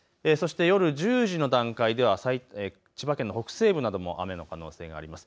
そして夜１０時の段階では千葉県の北西部なども雨の可能性があります。